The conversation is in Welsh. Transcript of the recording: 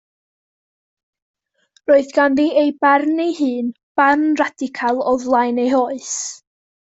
Roedd ganddi ei barn ei hun, barn radical o flaen ei hoes.